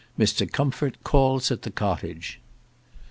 MR. COMFORT CALLS AT THE COTTAGE.